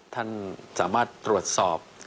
ท่านสามารถตรวจสอบ